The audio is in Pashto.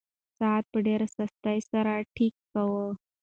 ساعت په ډېره سستۍ سره ټکا کوي.